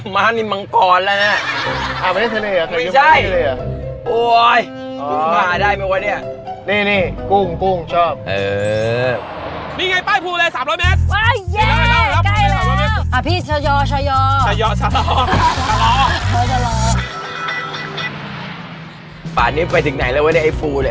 ปากอันนี้ไปตรงไหนไอ้ฟูเลย